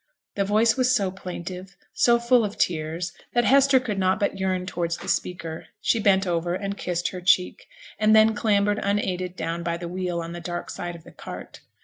The voice was so plaintive, so full of tears, that Hester could not but yearn towards the speaker. She bent over and kissed her cheek, and then clambered unaided down by the wheel on the dark side of the cart.